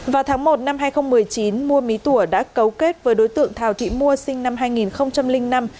vào tháng một năm hai nghìn một mươi chín mua mí tùa đã cấu kết với đối tượng thào thị mua sinh năm hai nghìn năm